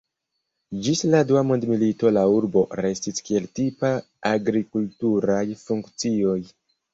Ĝis la Dua Mondmilito la urbo restis kiel tipa agrikulturaj funkcioj.